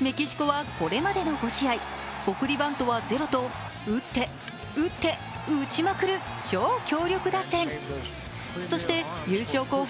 メキシコはこれまでの５試合送りバントは０と打って打って、打ちまくる超強力打線。そして優勝候補